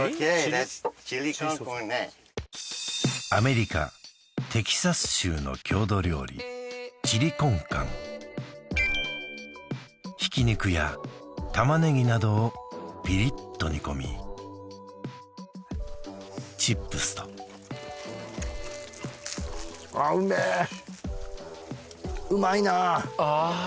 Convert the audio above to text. ザッツチリコンカンアメリカテキサス州の郷土料理ひき肉や玉ねぎなどをピリッと煮込みチップスとあうめうまいなあああ